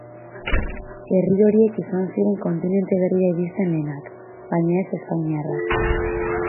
Herri horiek izan ziren kontinente berrira iristen lehenak, baina ez espainiarrak.